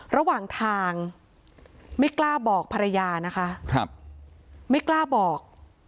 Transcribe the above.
ระหว่างทางไม่กล้าบอกภรรยานะคะไม่กล้าบอก